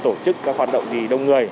tổ chức các hoạt động đông người